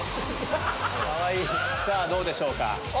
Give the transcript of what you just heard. さぁどうでしょうか？